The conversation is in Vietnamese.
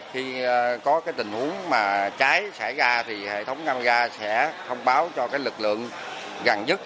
khi có tình huống cháy xảy ra hệ thống camera sẽ thông báo cho lực lượng gần nhất